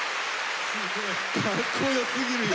かっこよすぎるよ。